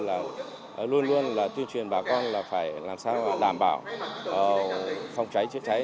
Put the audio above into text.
là luôn luôn là tuyên truyền bà con là phải làm sao đảm bảo phòng cháy chữa cháy